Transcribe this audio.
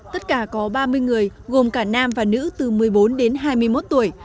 tất cả có ba mươi người gồm cả nam và nữ từ một mươi bốn đến hai mươi một tuổi